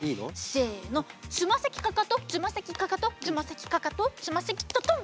せのつまさきかかとつまさきかかとつまさきかかとつまさきトトン！